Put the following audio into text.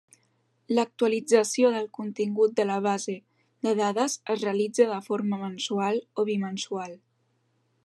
L'actualització del contingut de la base de dades es realitza de forma mensual o bimensual.